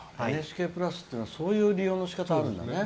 「ＮＨＫプラス」っていうのはそういう利用のしかたがあるんだね。